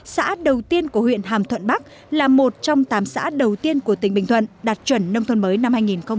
xã đầu tiên của huyện hàm thuận bắc là một trong tám xã đầu tiên của tỉnh bình thuận đạt chuẩn nông thôn mới năm hai nghìn một mươi tám